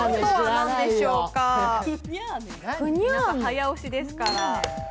早押しですから。